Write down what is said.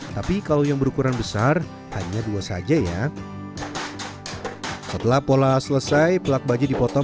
tapi kalau yang berukuran besar hanya dua saja ya setelah pola selesai pelat baju dipotong